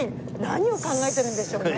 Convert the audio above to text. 何を考えてるんでしょうね。